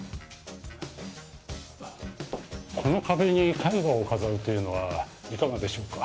この壁に絵画を飾るというのはいかがでしょうか？